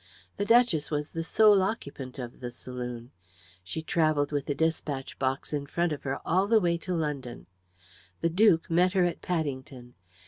The duchess was the sole occupant of the saloon. She travelled with the despatch box in front of her all the way to London. The duke met her at Paddington.